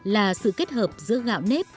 là sự kết hợp giữa gạo nếp